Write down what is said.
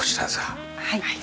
はい。